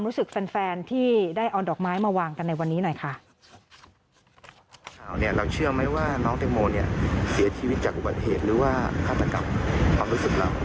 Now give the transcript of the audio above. เราเชื่อไหมว่าน้องเต็กโมเนี่ยเสียชีวิตจากอุบัติเหตุหรือว่าฆาตกรรมความรู้สึกเหล่า